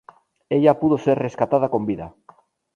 Ella pudo ser rescatada con vida.